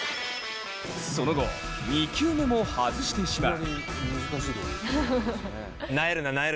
その後、２球目も外してしまう。